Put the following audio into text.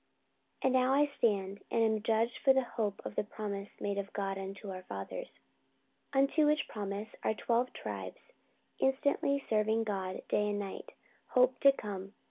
44:026:006 And now I stand and am judged for the hope of the promise made of God, unto our fathers: 44:026:007 Unto which promise our twelve tribes, instantly serving God day and night, hope to come.